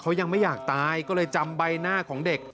เขายังไม่อยากตายก็เลยจำใบหน้าของเด็ก